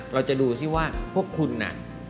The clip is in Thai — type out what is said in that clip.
เราจะดูซิว่าพวกคุณน่ะ